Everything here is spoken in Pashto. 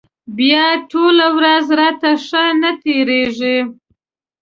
بیا ټوله ورځ راته ښه نه تېرېږي.